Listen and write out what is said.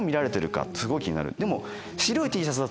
でも。